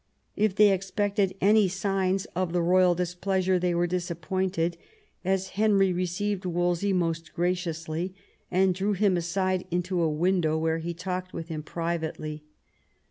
If they expected any signs of the royal displeasure they were disappointed, as Henry received Wolsey most graciously, and drew him aside into a window, where he talked with him privately.